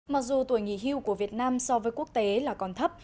mặc dù tuổi nghỉ hưu của việt nam so với quốc tế là còn thấp